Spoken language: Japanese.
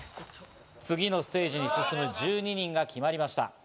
次のステージに進む１２人が決まりました。